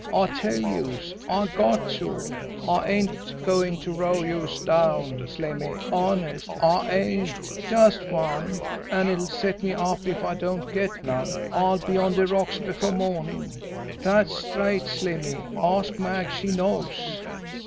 I tell youse, I got to! I ain't goin' to t'row youse down, Slimmy honest, I ain't! Just one an' it'll set me up. If I don't get none I'll be on de rocks before mornin'! Dat's straight, Slimmy ask Mag, she knows."